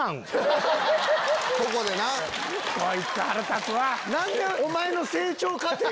こいつ腹立つわぁ！